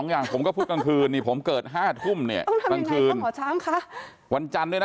๒อย่างผมก็พูดกลางคืนนี่ผมเกิด๕ทุ่มเนี่ยวันจันทร์ด้วยนะ